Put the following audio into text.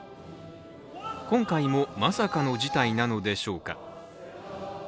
今回もまさかの事態なのでしょうか。